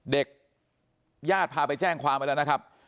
ญาติพาไปแจ้งความไว้แล้วนะครับ